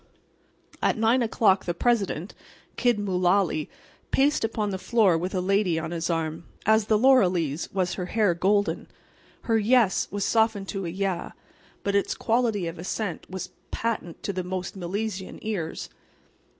At 9 o'clock the President, Kid Mullaly, paced upon the floor with a lady on his arm. As the Loreley's was her hair golden. Her "yes" was softened to a "yah," but its quality of assent was patent to the most Milesian ears.